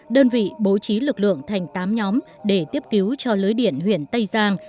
đơn vị bố trí lực lượng thành tám nhóm để tiếp cứu cho lưới điện huyện tây giang